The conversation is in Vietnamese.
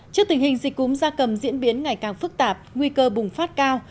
trước tình hình dịch cúm da cầm diễn biến ngày càng phức tạp nguy cơ bùng phát cao